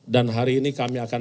dan hari ini kami akan